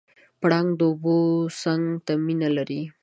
پړانګ د اوبو څنګ ته مینه لري.